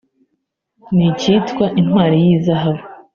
n’ikitwa “Intwari y’Izahabu